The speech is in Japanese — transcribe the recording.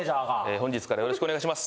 本日からよろしくお願いします。